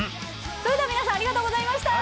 それでは皆さんありがとうございました！